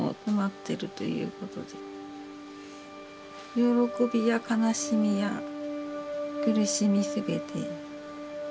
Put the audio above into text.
喜びや悲しみや苦しみすべて。